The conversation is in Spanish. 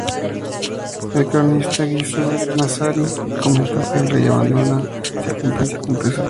El cronista Giuseppe Massari comentó que "el Rey abandona Florencia con pesar".